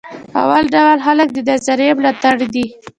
اول ډول خلک د نظریې ملاتړ دي.